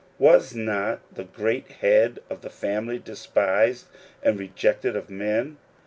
Was not the great Head of the family despised and rejected of men?